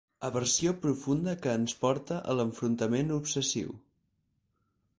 Aversió profunda que ens porta a l'enfrontament obsessiu.